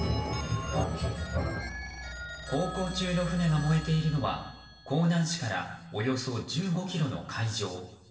航行中の船が燃えているのは香南市からおよそ１５ｋｍの海上。